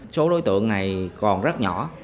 số đối tượng này còn rất nhỏ